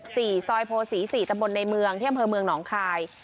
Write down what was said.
ซอยโพศี๔ตำบลในเมืองเที่ยงเผลอเมืองหนองคาย